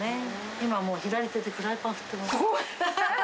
今はもう、左手でフライパン振っすごい！